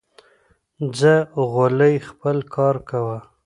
ځه غولی خپل کار کوه